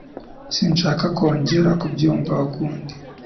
Sinshaka kongera kubyumva ukundi.